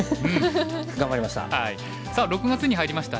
頑張りました。